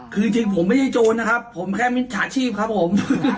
คือจริงผมไม่ใช่โจรนะครับผมแค่มิจฉาชีพครับผม